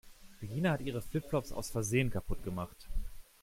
Regina hat ihre Flip-Flops aus Versehen kaputt gemacht.